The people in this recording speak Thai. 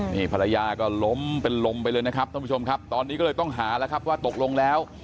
นี่ภรรยาก็ล้มเป็นลมไปเลยนะครับท่านผู้ชมครับตอนนี้ก็เลยต้องหาแล้วครับว่าตกลงแล้ว